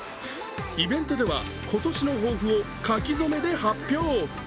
イベントでは今年の抱負を書き初めで発表。